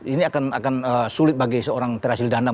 ini akan sulit bagi seorang terasil danam